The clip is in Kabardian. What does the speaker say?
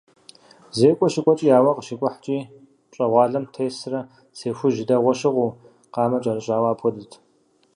Зекӏуэ щыкӏуэкӏи, ауэ къыщикӏухькӏи, пщӏэгъуалэм тесрэ цей хужь дэгъуэ щыгъыу, къамэ кӏэрыщӏауэ апхуэдэт.